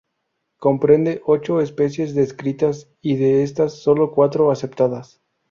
Comprende ocho especies descritas y de estas, solo cuatro aceptadas.